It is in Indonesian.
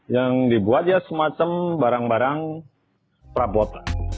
yang dibuat semacam barang barang prapot